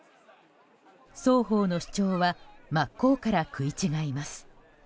双方の主張は真っ向から食い違います。